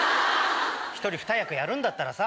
一人二役やるんだったらさ。